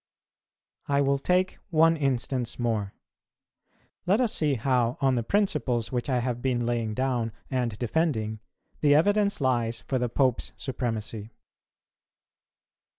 I will take one instance more. Let us see how, on the principles which I have been laying down and defending, the evidence lies for the Pope's Supremacy.